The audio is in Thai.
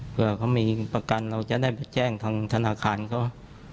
เพื่อเขามีประกันเราจะได้ไปแจ้งทางธนาคารเขา